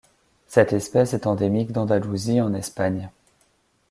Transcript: Cette espèce est endémique d'Andalousie en Espagne.